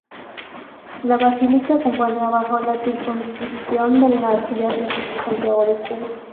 La basílica se encuentra bajo la circunscripción de la Arquidiócesis de Santiago de Cuba.